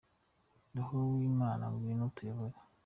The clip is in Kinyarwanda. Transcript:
Roho w'imana ngwino utuyobore.